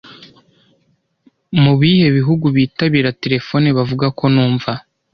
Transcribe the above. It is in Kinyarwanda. Mubihe bihugu bitabira terefone bavuga ko numva